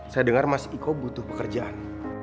saya dengar mas iko butuh pekerjaan